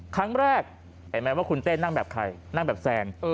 ครั้งแรกเห็นไหมว่าคุณเต้นั่งแบบใครนั่งแบบแซน